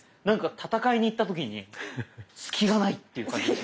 なんか戦いに行った時に隙がないっていう感じ。